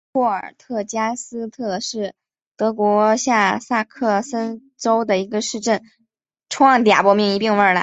霍尔特加斯特是德国下萨克森州的一个市镇。